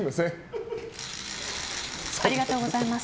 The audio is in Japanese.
ありがとうございます。